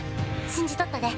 信じとったで。